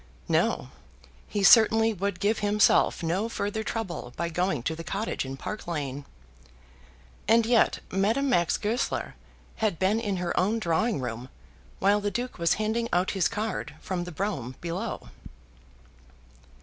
No; he certainly would give himself no further trouble by going to the cottage in Park Lane. And yet Madame Max Goesler had been in her own drawing room, while the Duke was handing out his card from the brougham below.